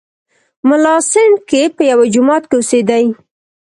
ملا سنډکی په یوه جومات کې اوسېدی.